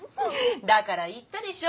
だから言ったでしょ。